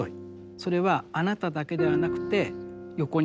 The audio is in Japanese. それはあなただけではなくて横にいる人も。